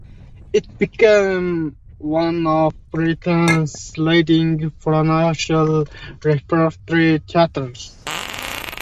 It became one of Britain's leading provincial repertory theatres.